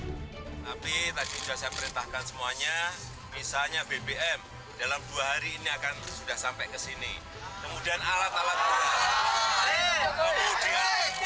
tapi tadi sudah saya perintahkan semuanya misalnya bpm dalam dua hari ini akan sudah sampai ke sini